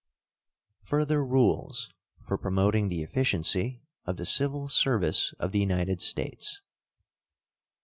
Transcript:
FURTHER RULES FOR PROMOTING THE EFFICIENCY OF THE CIVIL SERVICE OF THE UNITED STATES.